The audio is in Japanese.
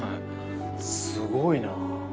すごいな。